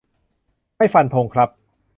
ไม่ฟันธงครับ